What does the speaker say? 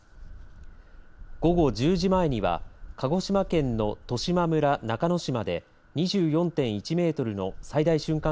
午後１０時前には鹿児島県の十島村中之島で２４．１メートルの最大瞬間